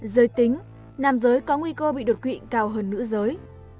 giới tính nam giới có nguy cơ bị đột quỵ cao hơn nữ giới